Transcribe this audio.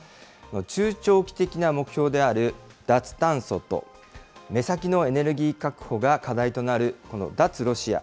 中長期的な目標である、脱炭素と、目先のエネルギー確保が課題となるこの脱ロシア。